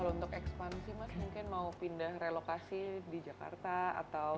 kalau untuk ekspansi mas mungkin mau pindah relokasi di jakarta atau